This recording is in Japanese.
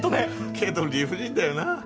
けど理不尽だよな。